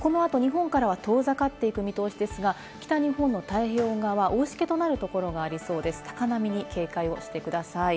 この後、日本からは遠ざかっていく見通しですが、北日本の太平洋側は大しけとなるところがありそうです、高波に警戒をしてください。